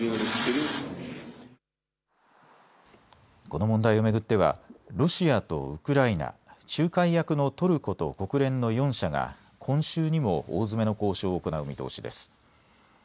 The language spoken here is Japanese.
この問題を巡ってはロシアとウクライナ、仲介役のトルコと国連の４者が今週にも大詰めの交渉を行う見通しです。